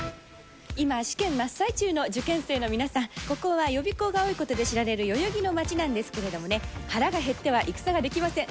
今、試験真っ最中の受験生の皆さん、ここは予備校が多いことで知られる代々木の街なんですけれどもね、腹が減っては戦ができません。